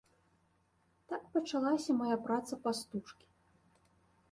Так пачалася мая праца пастушкі.